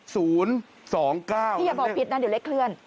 อย่าบอกผิดนะเดี๋ยวเลขเคลื่อน